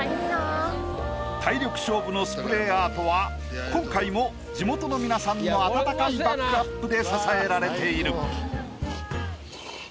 体力勝負のスプレーアートは今回も地元の皆さんの温かいバックアップで支えられている。